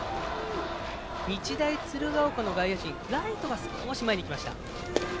日大鶴ヶ丘の外野陣ライトが少し前に来ました。